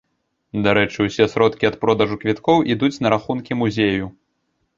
Дарэчы, усе сродкі ад продажу квіткоў ідуць на рахункі музею.